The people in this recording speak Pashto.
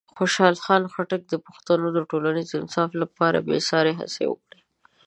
خوشحال خان خټک د پښتنو د ټولنیز انصاف لپاره بېساري هڅې وکړې.